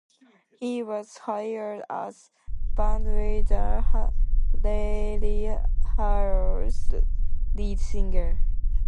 He was hired as bandleader Larry Harlow's lead singer.